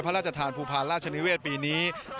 พระราชทานภูพาลราชนิเวศปีนี้